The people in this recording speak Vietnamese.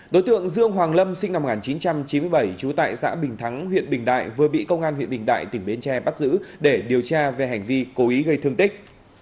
đối tượng dương hoàng lâm sinh năm một nghìn chín trăm chín mươi bảy trú tại xã bình thắng huyện bình đại vừa bị công an huyện bình đại tỉnh bến tre bắt giữ để điều tra về hành vi cố ý gây thương tích